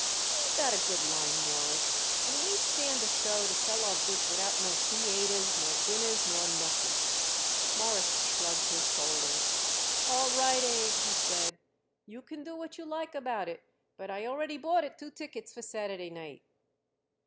We got a good line, Mawruss, and we stand a show to sell our goods without no theayters nor dinners nor nothing." Morris shrugged his shoulders. "All right, Abe," he said, "you can do what you like about it, but I already bought it two tickets for Saturday night."